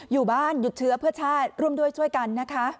อยู่บ้านหยุดเชื้อเพื่อชาติร่วมด้วยช่วยกันนะคะ